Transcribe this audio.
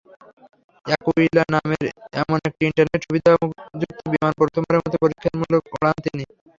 Aquila নামের এমন একটি ইন্টারনেট-সুবিধাযুক্ত বিমান প্রথমবারের মতো পরীক্ষামূলকভাবে ওড়ান তিনি।